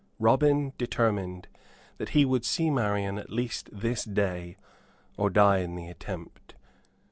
Robin determined that he would see Marian, at least, this day, or die in the attempt.